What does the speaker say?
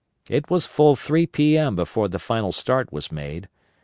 It was full 3 P.M. before the final start was made.